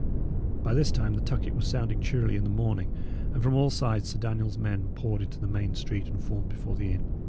By this time the tucket was sounding cheerily in the morning, and from all sides Sir Daniel's men poured into the main street and formed before the inn.